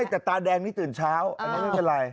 แต่ตาแดงนี้ตื่นเช้าอันนี้มันเป็นอะไร